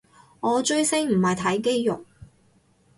我追星唔係睇肌肉